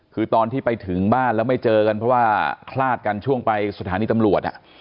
คือตอนที่ไปถึงบ้านแล้วไม่เจอกันเพราะว่าคลาดกันช่วงไปสถานีตำรวจ